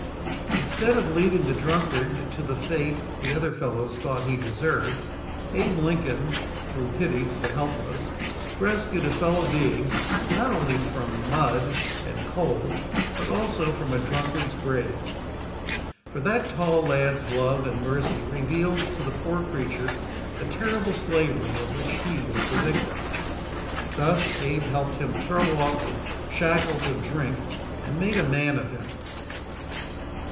Instead of leaving the drunkard to the fate the other fellows thought he deserved, Abe Lincoln, through pity for the helpless, rescued a fellow being not only from mud and cold but also from a drunkard's grave. For that tall lad's love and mercy revealed to the poor creature the terrible slavery of which he was the victim. Thus Abe helped him throw off the shackles of drink and made a man of him.